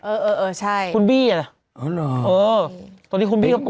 เออเออเออใช่คุณบี้อ่ะเออเออตอนนี้คุณบี้ก็